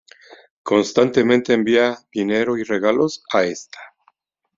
Constantemente envía dinero y regalos a esta.